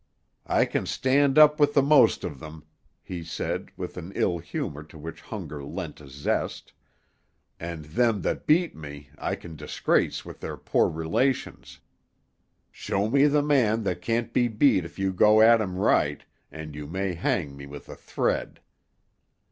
"I can stand up with the most of them," he said, with an ill humor to which hunger lent a zest; "and them that beat me, I can disgrace with their poor relations. Show me the man that can't be beat if you go at him right, and you may hang me with a thread.